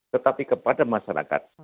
tetapi kepada masyarakat